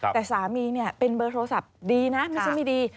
แต่สามีเนี่ยเป็นเบอร์โทรศัพท์ดีนะไม่ใช่ไม่ดี